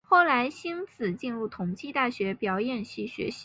后来馨子进入同济大学表演系学习。